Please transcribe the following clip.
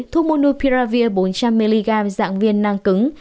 thuốc monopiravir bốn trăm linh mg dạng viên năng cứng